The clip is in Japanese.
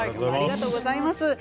ありがとうございます。